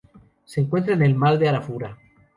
Se encuentra en el Mar de Arafura.